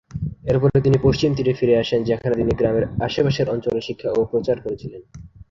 এরপরে তিনি পশ্চিম তীরে ফিরে আসেন, যেখানে তিনি তাঁর গ্রামের আশেপাশের অঞ্চলে শিক্ষা ও প্রচার করেছিলেন।